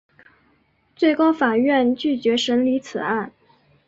最高法院拒绝审理此案。